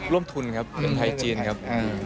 ร่วมทุนครับภายจีนครับ